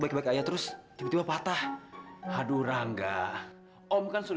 aku gak akan jatuh gini kalau menggerak kamu